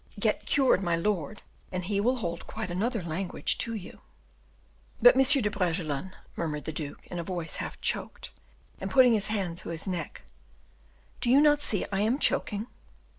Get cured, my lord, and he will hold quite another language to you." "But, M. de Bragelonne," murmured the duke, in a voice, half choked, and putting his hand to his neck, "Do you not see I am choking?"